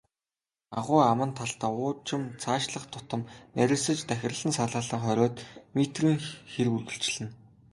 Агуй аман талдаа уужим, цаашлах тутам нарийсаж тахирлан салаалан, хориод метрийн хэр үргэлжилнэ.